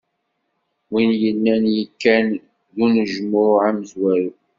Wid yellan yakkan deg unejmuɛ amezwaru.